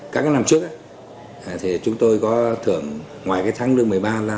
các năm trước thì chúng tôi có thưởng ngoài tháng lương một mươi ba